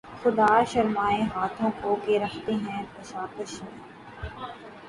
خدا شرمائے ہاتھوں کو کہ رکھتے ہیں کشاکش میں